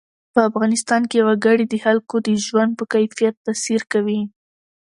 په افغانستان کې وګړي د خلکو د ژوند په کیفیت تاثیر کوي.